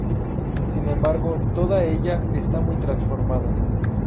Sin embargo, toda ella está muy transformada.